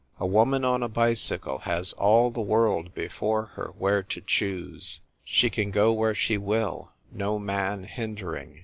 A woman on a bicycle has all the world before her where to choose ; she can go where she will, no man hindering.